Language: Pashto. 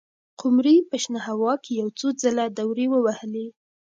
قمري په شنه هوا کې یو څو ځله دورې ووهلې.